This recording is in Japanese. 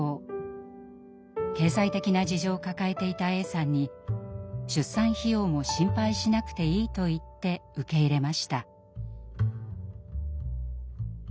経済的な事情を抱えていたＡさんに出産費用も心配しなくていいと言って受け入れました。